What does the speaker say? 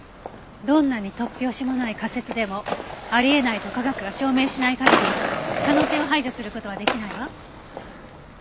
どんなに突拍子もない仮説でもあり得ないと科学が証明しない限り可能性を排除する事はできないわ。